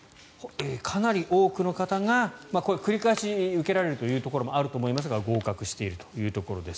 かなり多くの方がこれは、繰り返し受けられるというところもあると思いますが合格しているというところです。